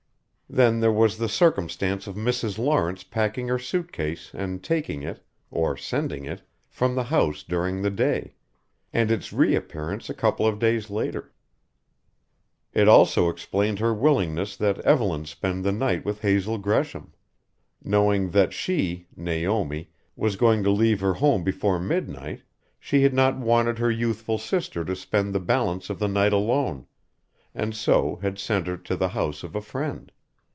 Then there was the circumstance of Mrs. Lawrence packing her suit case and taking it, or sending it, from the house during the day and its reappearance a couple of days later. It also explained her willingness that Evelyn spend the night with Hazel Gresham. Knowing that she, Naomi, was going to leave her home before midnight, she had not wanted her youthful sister to spend the balance of the night alone and so had sent her to the house of a friend.